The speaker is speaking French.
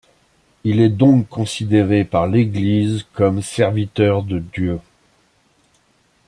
Il est donc considéré par l'Église comme Serviteur de Dieu.